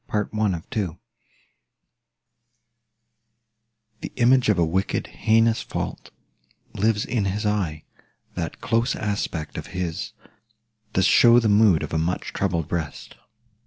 CHAPTER IX The image of a wicked, heinous fault Lives in his eye; that close aspect of his Does show the mood of a much troubled breast.